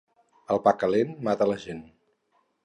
El pa calent mata la gent.